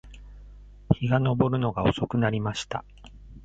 日が登るのが遅くなりました